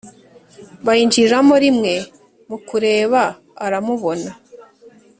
bayinjiriramo rimwe mukureba aramubona